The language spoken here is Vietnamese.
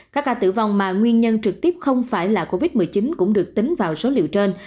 các ca tử vong mà nguyên nhân trực tiếp không phải là covid một mươi chín cũng được tính vào số liệu trên